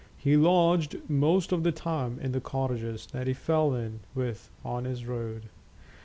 He lodged most of time in the cottages that he fell in with on his road.